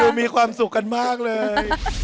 มีความสุขกันมากเลย